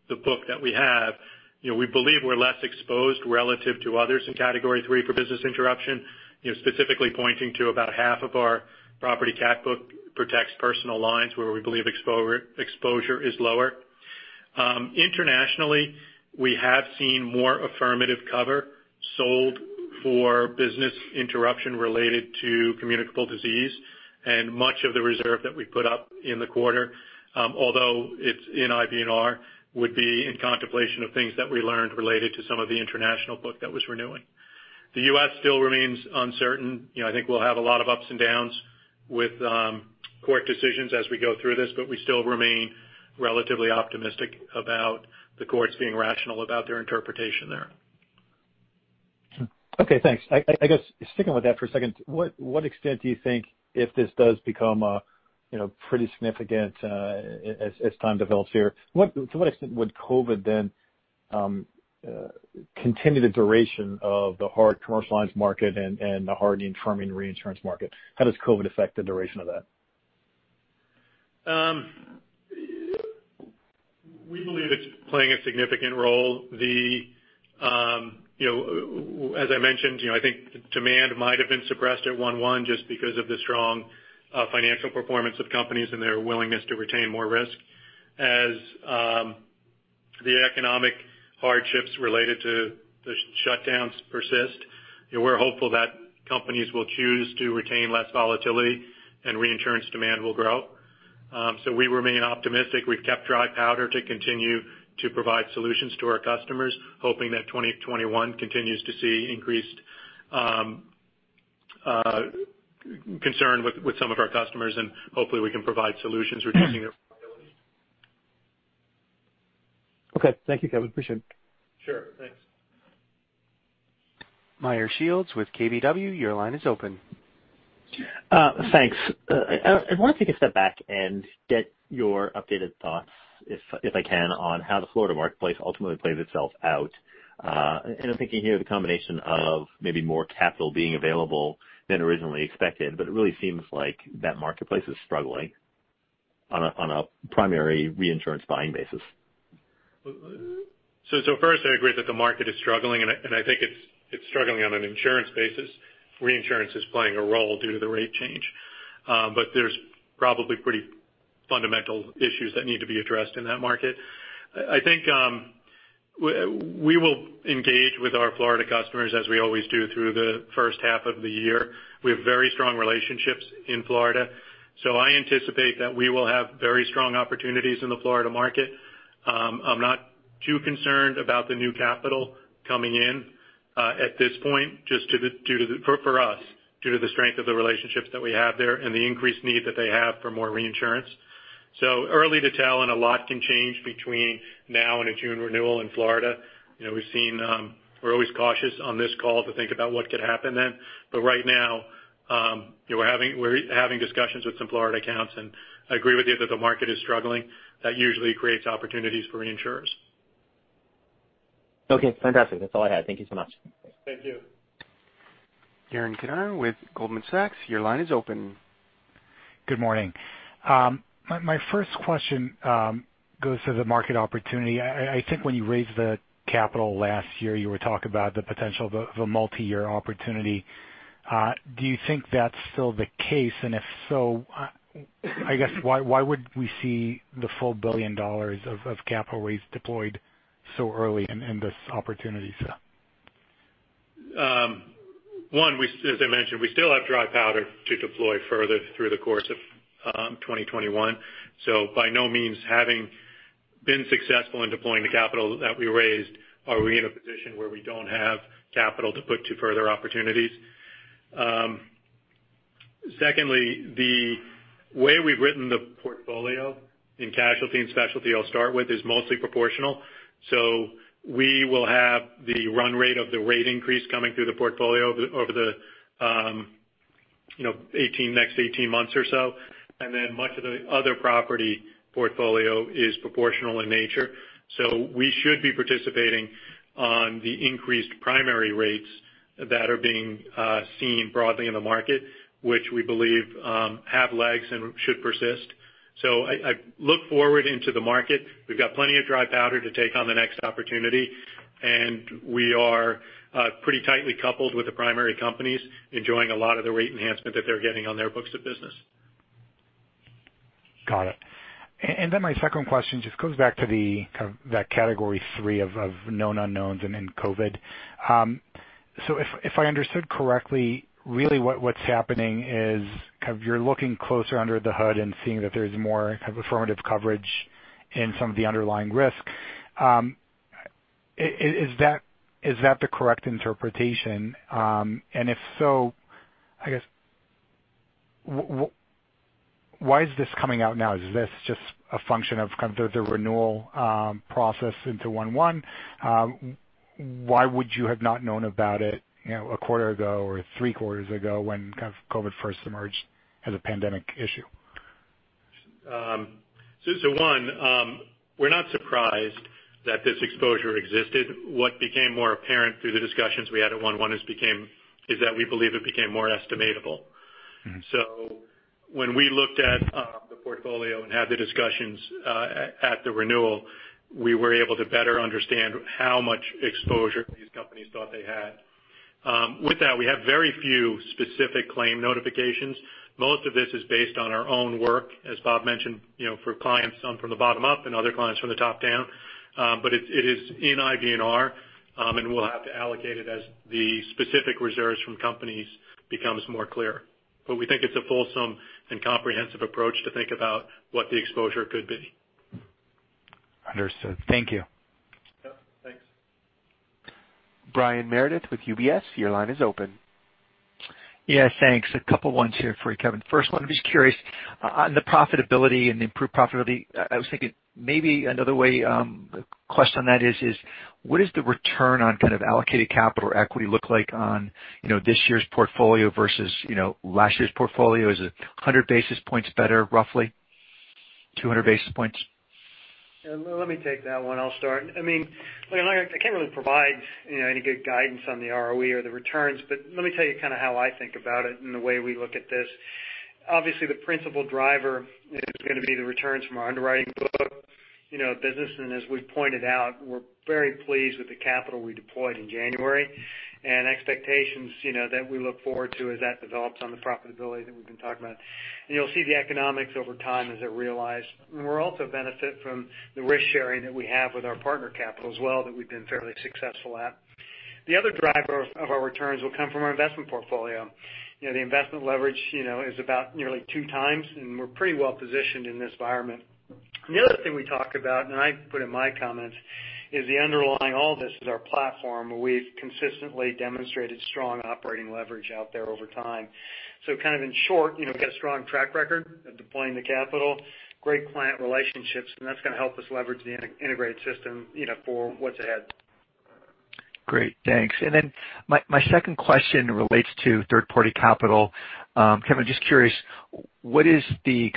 the book that we have, we believe we're less exposed relative to others in category 3 for business interruption, specifically pointing to about half of our property cat book protects personal lines where we believe exposure is lower. Internationally, we have seen more affirmative cover sold for business interruption related to communicable disease and much of the reserve that we put up in the quarter, although it's in IBNR, would be in contemplation of things that we learned related to some of the international book that was renewing. The U.S. still remains uncertain. I think we'll have a lot of ups and downs with court decisions as we go through this, but we still remain relatively optimistic about the courts being rational about their interpretation there. Okay, thanks. I guess sticking with that for a second, what extent do you think if this does become pretty significant as time develops here, to what extent would COVID then continue the duration of the hard commercial lines market and the hardening firming reinsurance market? How does COVID affect the duration of that? We believe it's playing a significant role. As I mentioned, I think demand might have been suppressed at 1.1 Just because of the strong financial performance of companies and their willingness to retain more risk. As the economic hardships related to the shutdowns persist, we're hopeful that companies will choose to retain less volatility and reinsurance demand will grow. We remain optimistic. We've kept dry powder to continue to provide solutions to our customers, hoping that 2021 continues to see increased concern with some of our customers, and hopefully we can provide solutions reducing their volatility. Okay. Thank you, Kevin. Appreciate it. Sure. Thanks. Meyer Shields with KBW, your line is open. Thanks. I want to take a step back and get your updated thoughts, if I can, on how the Florida marketplace ultimately plays itself out. I'm thinking here the combination of maybe more capital being available than originally expected, but it really seems like that marketplace is struggling on a primary reinsurance buying basis. First, I agree that the market is struggling, and I think it's struggling on an insurance basis. Reinsurance is playing a role due to the rate change. There's probably pretty fundamental issues that need to be addressed in that market. I think we will engage with our Florida customers as we always do through the first half of the year. We have very strong relationships in Florida, so I anticipate that we will have very strong opportunities in the Florida market. I'm not too concerned about the new capital coming in at this point for us, due to the strength of the relationships that we have there and the increased need that they have for more reinsurance. Early to tell and a lot can change between now and a June renewal in Florida. We're always cautious on this call to think about what could happen then. Right now, we're having discussions with some Florida accounts, and I agree with you that the market is struggling. That usually creates opportunities for reinsurers. Okay, fantastic. That's all I had. Thank you so much. Thank you. Yaron Kinar with Goldman Sachs, your line is open. Good morning. My first question goes to the market opportunity. I think when you raised the capital last year, you were talking about the potential of a multi-year opportunity. Do you think that's still the case? If so, I guess why would we see the full $1 billion of capital raised deployed so early in this opportunity set? One, as I mentioned, we still have dry powder to deploy further through the course of 2021. By no means, having been successful in deploying the capital that we raised, are we in a position where we don't have capital to put to further opportunities. Secondly, the way we've written the portfolio in casualty and specialty I'll start with, is mostly proportional. We will have the run rate of the rate increase coming through the portfolio over the next 18 months or so. Much of the other property portfolio is proportional in nature. We should be participating on the increased primary rates that are being seen broadly in the market, which we believe have legs and should persist. I look forward into the market. We've got plenty of dry powder to take on the next opportunity, and we are pretty tightly coupled with the primary companies, enjoying a lot of the rate enhancement that they're getting on their books of business. Got it. My second question just goes back to that category 3 of known unknowns and then COVID. If I understood correctly, really what's happening is you're looking closer under the hood and seeing that there's more affirmative coverage in some of the underlying risk. Is that the correct interpretation? If so, I guess why is this coming out now? Is this just a function of the renewal process into 1.1? Why would you have not known about it a quarter ago or three quarters ago when COVID first emerged as a pandemic issue? One, we're not surprised that this exposure existed. What became more apparent through the discussions we had at 1.1 is that we believe it became more estimable. When we looked at the portfolio and had the discussions at the renewal, we were able to better understand how much exposure these companies thought they had. With that, we have very few specific claim notifications. Most of this is based on our own work, as Bob mentioned, for clients, some from the bottom up and other clients from the top down. It is in IBNR, and we'll have to allocate it as the specific reserves from companies becomes more clear. We think it's a fulsome and comprehensive approach to think about what the exposure could be. Understood. Thank you. Yep. Thanks. Brian Meredith with UBS, your line is open. Yeah, thanks. A couple ones here for you, Kevin. First one, I'm just curious on the profitability and the improved profitability. I was thinking maybe another way, the question on that is what is the return on allocated capital or equity look like on this year's portfolio versus last year's portfolio? Is it 100 basis points better, roughly? 200 basis points? Let me take that one. I'll start. I can't really provide any good guidance on the ROE or the returns, but let me tell you how I think about it and the way we look at this. Obviously, the principal driver is going to be the returns from our underwriting book business. As we've pointed out, we're very pleased with the capital we deployed in January and expectations that we look forward to as that develops on the profitability that we've been talking about. You'll see the economics over time as they're realized. We'll also benefit from the risk sharing that we have with our partner capital as well that we've been fairly successful at. The other driver of our returns will come from our investment portfolio. The investment leverage is about nearly 2x, and we're pretty well positioned in this environment. The other thing we talk about, and I put in my comments, is the underlying all this is our platform, where we've consistently demonstrated strong operating leverage out there over time. Kind of in short, we've got a strong track record of deploying the capital, great client relationships, and that's going to help us leverage the integrated system for what's ahead. Great, thanks. My second question relates to third-party capital. Kevin, just curious, what is the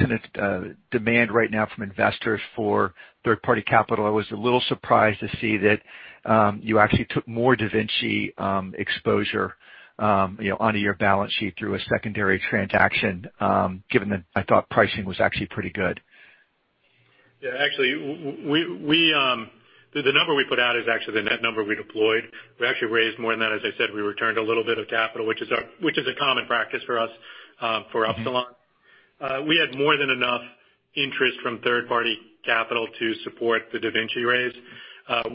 demand right now from investors for third-party capital? I was a little surprised to see that you actually took more DaVinci exposure onto your balance sheet through a secondary transaction, given that I thought pricing was actually pretty good. Yeah, actually, the number we put out is actually the net number we deployed. We actually raised more than that. As I said, we returned a little bit of capital, which is a common practice for us, for Upsilon. We had more than enough interest from third-party capital to support the DaVinci raise.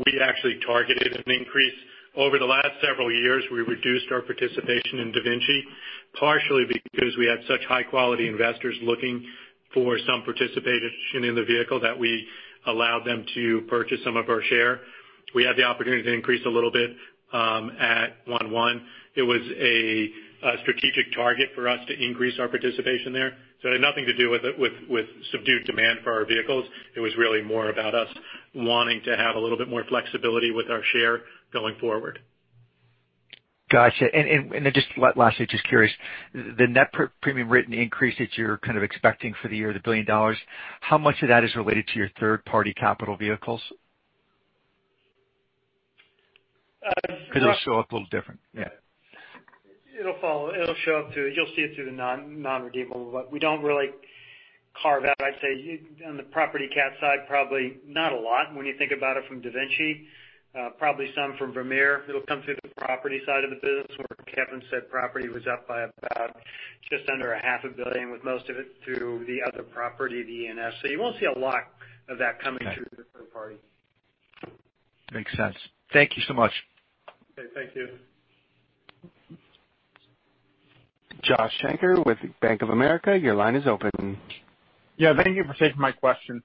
We actually targeted an increase. Over the last several years, we reduced our participation in DaVinci, partially because we had such high-quality investors looking for some participation in the vehicle that we allowed them to purchase some of our share. We had the opportunity to increase a little bit at 1.1. It was a strategic target for us to increase our participation there. It had nothing to do with subdued demand for our vehicles. It was really more about us wanting to have a little bit more flexibility with our share going forward. Got you. Just lastly, just curious, the net premium written increase that you're kind of expecting for the year, the $1 billion, how much of that is related to your third-party capital vehicles? It'll show up a little different. Yeah. You'll see it through the non-redeemable, we don't really carve out, I'd say, on the property cat side, probably not a lot. When you think about it from DaVinci, probably some from Vermeer. It'll come through the property side of the business where Kevin said property was up by about just under a half a billion, with most of it through the other property, the E&S. You won't see a lot of that coming through the third party. Okay. Makes sense. Thank you so much. Okay, thank you. Josh Shanker with Bank of America, your line is open. Yeah, thank you for taking my question.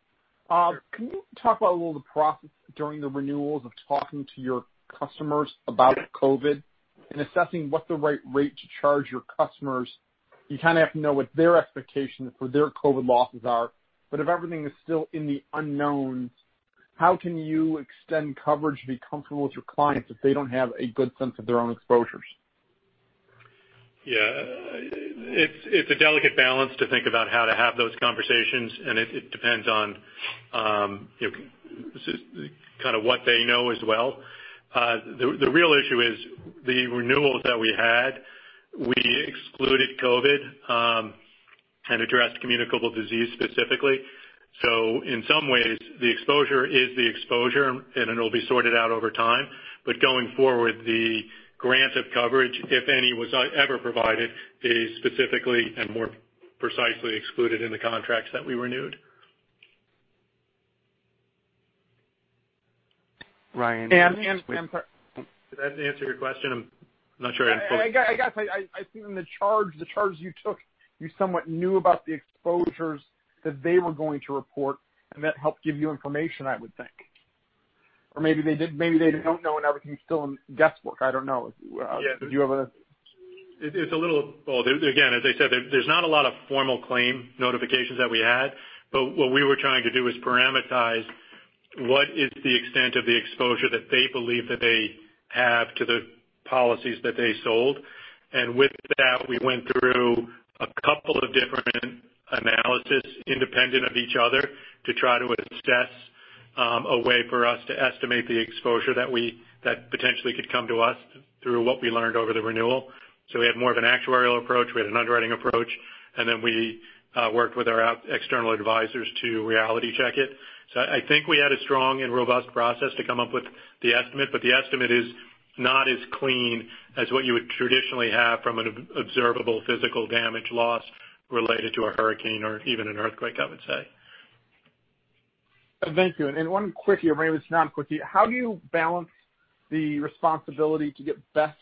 Can you talk about a little of the process during the renewals of talking to your customers about COVID and assessing what the right rate to charge your customers? You kind of have to know what their expectations for their COVID losses are. If everything is still in the unknowns, how can you extend coverage to be comfortable with your clients if they don't have a good sense of their own exposures? Yeah. It's a delicate balance to think about how to have those conversations, and it depends on kind of what they know as well. The real issue is the renewals that we had, we excluded COVID-19, and addressed communicable disease specifically. In some ways, the exposure is the exposure, and it'll be sorted out over time. Going forward, the grant of coverage, if any, was ever provided, is specifically and more precisely excluded in the contracts that we renewed. I'm sorry. Did that answer your question? I guess. I think in the charge you took, you somewhat knew about the exposures that they were going to report, and that helped give you information, I would think. Maybe they don't know and everything's still in guesswork. I don't know. Yeah. Do you have? It's a little. Well, again, as I said, there's not a lot of formal claim notifications that we had, but what we were trying to do is parameterize what is the extent of the exposure that they believe that they have to the policies that they sold. With that, we went through a couple of different analyses independent of each other to try to assess a way for us to estimate the exposure that potentially could come to us through what we learned over the renewal. We had more of an actuarial approach. We had an underwriting approach, and then we worked with our external advisors to reality check it. I think we had a strong and robust process to come up with the estimate, but the estimate is not as clean as what you would traditionally have from an observable physical damage loss related to a hurricane or even an earthquake, I would say. Thank you. One quickie, or maybe it's not a quickie. How do you balance the responsibility to get best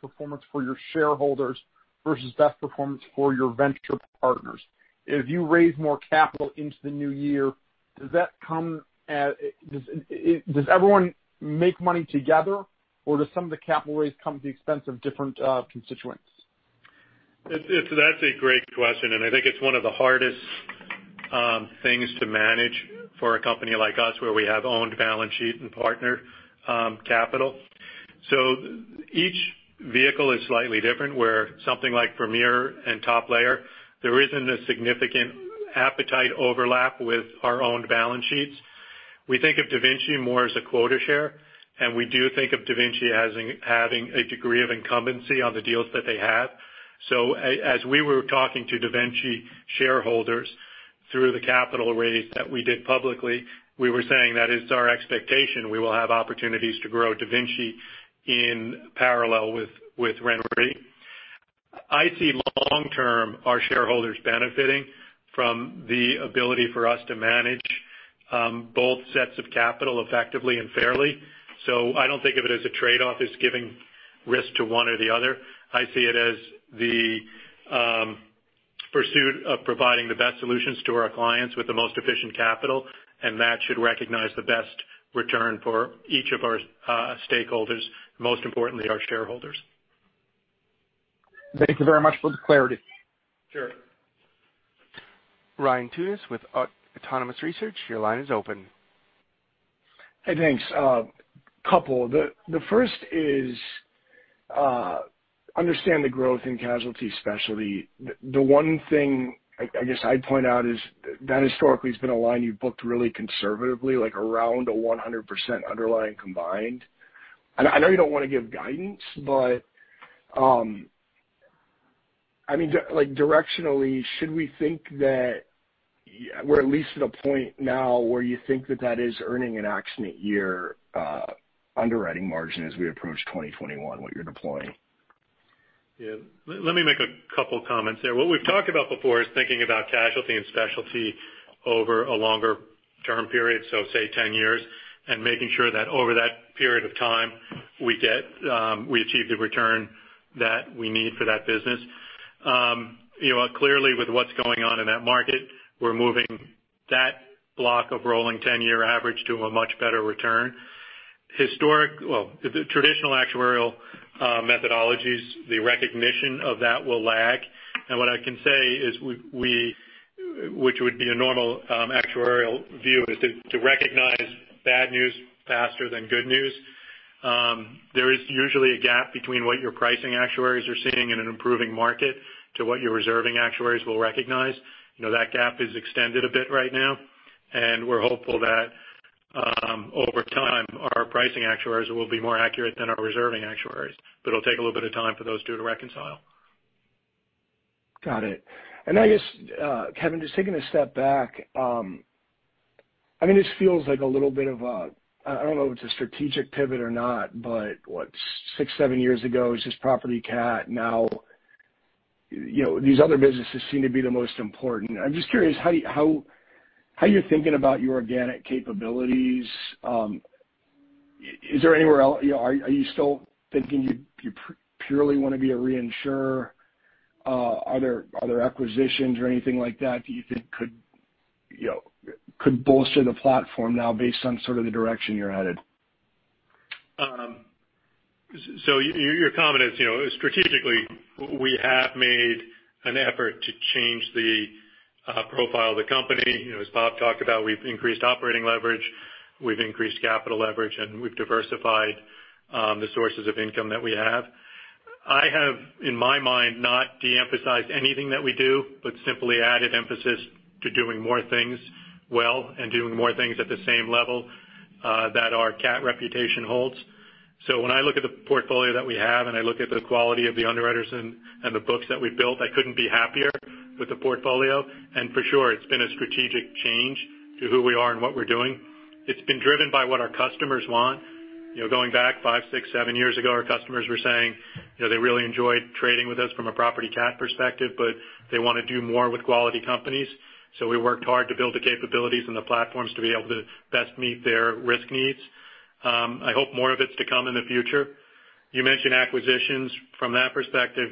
performance for your shareholders versus best performance for your venture partners? If you raise more capital into the new year, does everyone make money together, or does some of the capital raise come at the expense of different constituents? That's a great question. I think it's one of the hardest things to manage for a company like us where we have owned balance sheet and partner capital. Each vehicle is slightly different, where something like Vermeer and Top Layer, there isn't a significant appetite overlap with our own balance sheets. We think of DaVinci more as a quota share. We do think of DaVinci as having a degree of incumbency on the deals that they have. As we were talking to DaVinci shareholders through the capital raise that we did publicly, we were saying that it's our expectation we will have opportunities to grow DaVinci in parallel with RenRe. I see long-term our shareholders benefiting from the ability for us to manage both sets of capital effectively and fairly. I don't think of it as a trade-off as giving risk to one or the other. I see it as the pursuit of providing the best solutions to our clients with the most efficient capital, and that should recognize the best return for each of our stakeholders, most importantly, our shareholders. Thank you very much for the clarity. Sure. Ryan Tunis with Autonomous Research, your line is open. Hey, thanks. A couple. The first is understand the growth in casualty specialty. The one thing I guess I'd point out is that historically has been a line you've booked really conservatively, like around 100% underlying combined. I know you don't want to give guidance, but directionally, should we think that we're at least at a point now where you think that that is earning an accident year underwriting margin as we approach 2021, what you're deploying? Let me make a couple comments there. What we've talked about before is thinking about casualty and specialty over a longer-term period, so say 10 years, and making sure that over that period of time, we achieve the return that we need for that business. Clearly, with what's going on in that market, we're moving that block of rolling 10-year average to a much better return. Traditional actuarial methodologies, the recognition of that will lag. What I can say is, which would be a normal actuarial view, is to recognize bad news faster than good news. There is usually a gap between what your pricing actuaries are seeing in an improving market to what your reserving actuaries will recognize. That gap is extended a bit right now. We're hopeful that over time, our pricing actuaries will be more accurate than our reserving actuaries. It'll take a little bit of time for those two to reconcile. Got it. I guess, Kevin, just taking a step back. This feels like a little bit of a, I don't know if it's a strategic pivot or not, but what, six, seven years ago, it was just property cat. Now, these other businesses seem to be the most important. I'm just curious how you're thinking about your organic capabilities. Are you still thinking you purely want to be a reinsurer? Are there acquisitions or anything like that you think could bolster the platform now based on sort of the direction you're headed? Your comment is strategically, we have made an effort to change the profile of the company. As Bob talked about, we've increased operating leverage, we've increased capital leverage, and we've diversified the sources of income that we have. I have, in my mind, not de-emphasized anything that we do, but simply added emphasis to doing more things well and doing more things at the same level that our cat reputation holds. When I look at the portfolio that we have and I look at the quality of the underwriters and the books that we've built, I couldn't be happier with the portfolio. For sure, it's been a strategic change to who we are and what we're doing. It's been driven by what our customers want. Going back five, six, seven years ago, our customers were saying, they really enjoyed trading with us from a property cat perspective, but they want to do more with quality companies. We worked hard to build the capabilities and the platforms to be able to best meet their risk needs. I hope more of it's to come in the future. You mentioned acquisitions. From that perspective,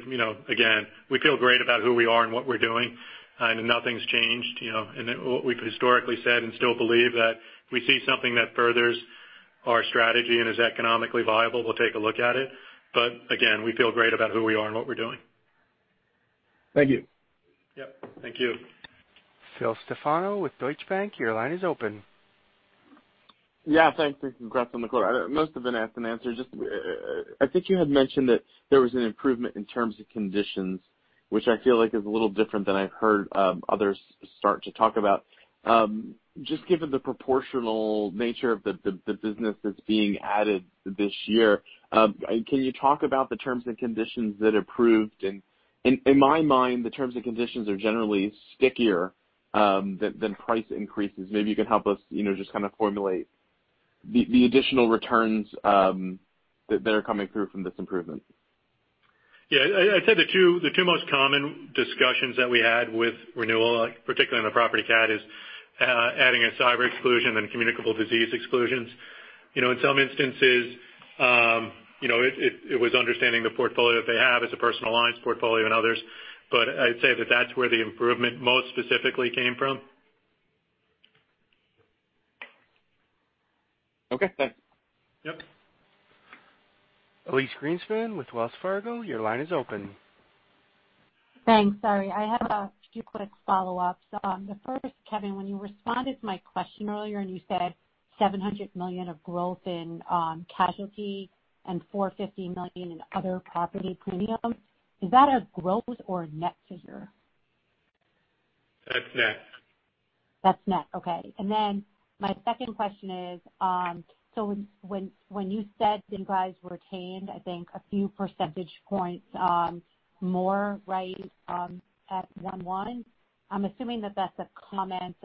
again, we feel great about who we are and what we're doing, and nothing's changed. What we've historically said and still believe that if we see something that furthers our strategy and is economically viable, we'll take a look at it. Again, we feel great about who we are and what we're doing. Thank you. Yep. Thank you. Phil Stefano with Deutsche Bank, your line is open. Yeah, thanks, congrats on the quarter. Most have been asked and answered. I think you had mentioned that there was an improvement in terms and conditions, which I feel like is a little different than I've heard others start to talk about. Just given the proportional nature of the business that's being added this year, can you talk about the terms and conditions that improved? In my mind, the terms and conditions are generally stickier than price increases. Maybe you can help us just kind of formulate the additional returns that are coming through from this improvement. Yeah. I'd say the two most common discussions that we had with renewal, particularly on the property cat, is adding a cyber exclusion and communicable disease exclusions. In some instances, it was understanding the portfolio that they have as a personal lines portfolio and others. I'd say that that's where the improvement most specifically came from. Okay, thanks. Yep. Elyse Greenspan with Wells Fargo, your line is open. Thanks. Sorry. I have a few quick follow-ups. The first, Kevin, when you responded to my question earlier and you said $700 million of growth in casualty and $450 million in other property premiums, is that a growth or a net figure? That's net. That's net. Okay. My second question is, when you said you guys retained, I think a few percentage points more right at 1.1, I'm assuming that that's a comment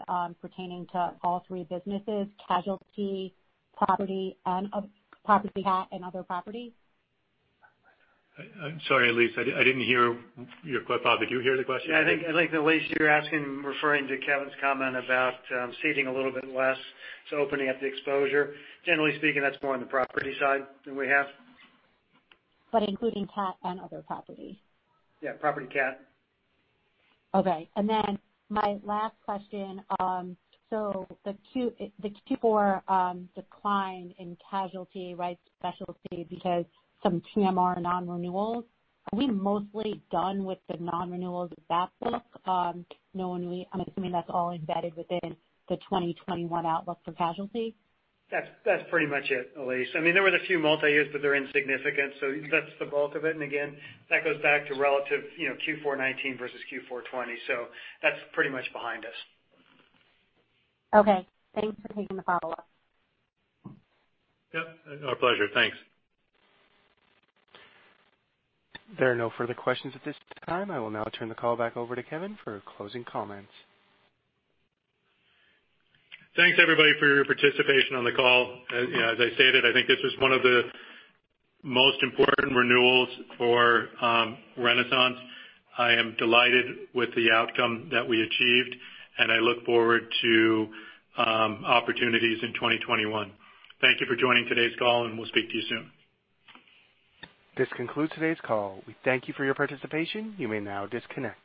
pertaining to all three businesses, casualty, property cat, and other property. I'm sorry, Elyse. Bob, did you hear the question? Yeah, I think Elyse, you're asking, referring to Kevin's comment about ceding a little bit less, so opening up the exposure. Generally speaking, that's more on the property side than we have. Including cat and other property. Yeah, property cat. My last question. The Q4 decline in casualty specialty because some TMR non-renewals. Are we mostly done with the non-renewals of that book, knowing I'm assuming that's all embedded within the 2021 outlook for casualty? That's pretty much it, Elyse. There were the few multi-years, they're insignificant. That's the bulk of it. Again, that goes back to relative Q4 2019 versus Q4 2020. That's pretty much behind us. Okay. Thanks for taking the follow-up. Yep. Our pleasure. Thanks. There are no further questions at this time. I will now turn the call back over to Kevin for closing comments. Thanks, everybody, for your participation on the call. As I stated, I think this was one of the most important renewals for Renaissance. I am delighted with the outcome that we achieved, and I look forward to opportunities in 2021. Thank you for joining today's call, and we'll speak to you soon. This concludes today's call. We thank you for your participation. You may now disconnect.